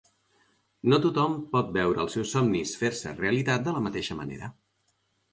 No tothom pot veure els seus somnis fer-se realitat de la mateixa manera.